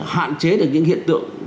hạn chế được những hiện tượng